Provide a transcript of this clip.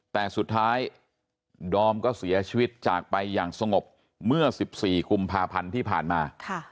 แต่สุดท้ายดอมก็เสียชีวิตจากไปอย่างสงบเมื่อ๑๔กุมภาพันธ์ที่ผ่านมา